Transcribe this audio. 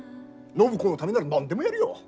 暢子のためなら何でもやるよ！